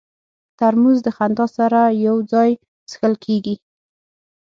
ترموز د خندا سره یو ځای څښل کېږي.